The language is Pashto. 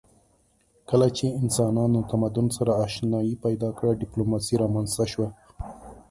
کله چې انسانانو تمدن سره آشنايي پیدا کړه ډیپلوماسي رامنځته شوه